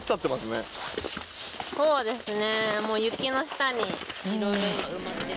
そうですね。